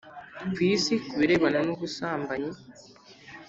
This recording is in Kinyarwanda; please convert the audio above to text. isi ku birebana n ubusambanyi